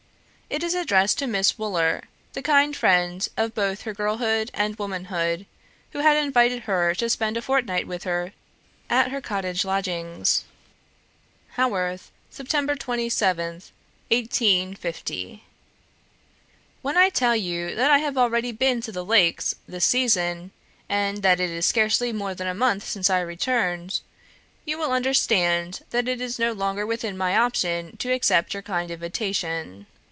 It is addressed to Miss Wooler, the kind friend of both her girlhood and womanhood, who had invited her to spend a fortnight with her at her cottage lodgings. "Haworth, Sept. 27th, 1850. "When I tell you that I have already been to the Lakes this season, and that it is scarcely more than a month since I returned, you will understand that it is no longer within my option to accept your kind invitation.